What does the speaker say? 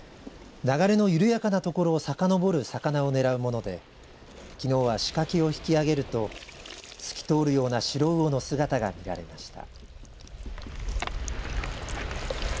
流れの緩やかな所をさかのぼる魚をねらうものできのうは仕掛けを引き揚げるとすき通るようなシロウオの姿が見られました。